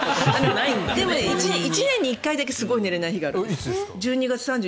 でも、１年に１回だけすごく寝れない日がある。